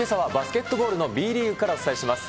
けさはバスケットボールのＢリーグからお伝えします。